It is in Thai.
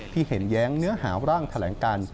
ที่เห็นแย้งเนื้อหาร่างแถลงการ